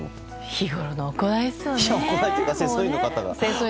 日頃の行いですよね。